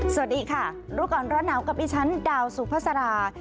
สวัสดีค่ะรูปกรณ์ร้อนหนาวกับอีชั้นดาวสูภาษา